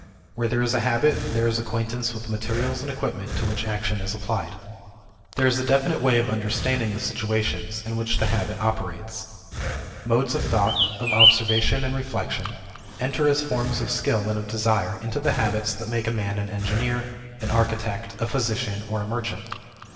Where there is a habit, there is acquaintance with the materials and equipment to which action is applied. There is a definite way of understanding the situations in which the habit operates. Modes of thought, of observation and reflection, enter as forms of skill and of desire into the habits that make a man an engineer, an architect, a physician, or a merchant.